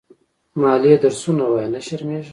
مالې درسونه ووايه نه شرمېږې.